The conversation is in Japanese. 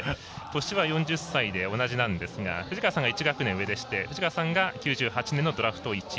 年は４０歳で同じなんですが藤川さんが１学年上でして藤川さんが９８年のドラフト１位。